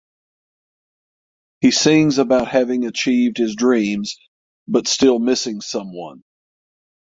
He sings about having achieved his dreams but still missing someone.